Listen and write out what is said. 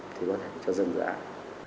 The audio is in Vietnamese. thì có thể cho dừng dự án